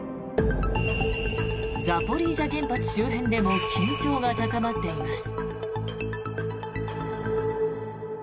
ザポリージャ原発周辺でも緊張が高まっています。